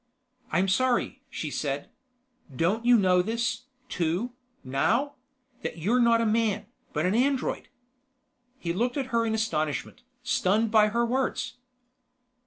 "I'm sorry," she said. "Don't you know this, too, now: that you're not a man, but an android?" He looked at her in astonishment, stunned by her words.